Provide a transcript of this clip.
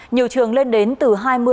nhiều trường lên đến từ hai mươi ba mươi